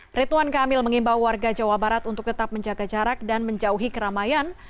rituan kamil mengimbau warga jawa barat untuk tetap menjaga jarak dan menjauhi keramaian